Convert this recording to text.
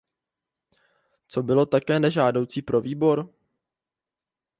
Co bylo tak nežádoucí pro výbor?